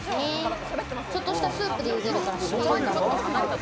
ちょっとしたスープで茹でる。